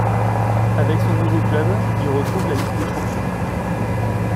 Avec son nouveau club, il retrouve la Ligue des champions.